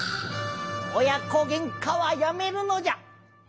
おや子げんかはやめるのじゃ！